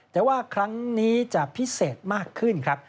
แต่ว่าครั้งนี้จะพิเศษมากขึ้นครับ